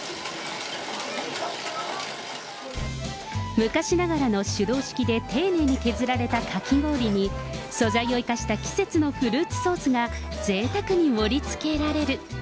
昔ながらの手動式で丁寧に削られたかき氷に、素材を生かした季節のフルーツソースがぜいたくに盛りつけられる。